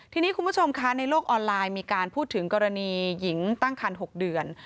ทีนี้คุณผู้ชมคะในโลกออนไลน์มีการพูดถึงกรณีหญิงตั้งคัน๖เดือน